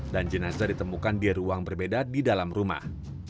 dan jenazah ditemukan di ruang berbeda di dalam rumah